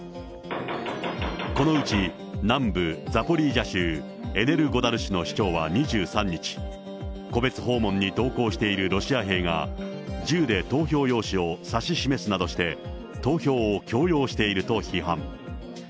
このうち、南部ザポリージャ州エネルゴダル市の市長は２３日、戸別訪問に同行するロシア兵が、銃で投票用紙を指し示すなどして、投票を強要していると批判。